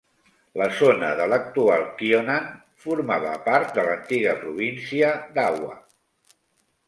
La zona de l'actual Kyonan formava part de l'antiga província d'Awa.